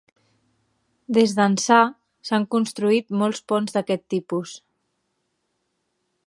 Des d'ençà, s'han construït molts ponts d'aquest tipus.